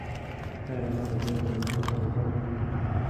ایا رڼا به بيا دا کوټه روښانه کړي؟